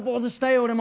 俺も。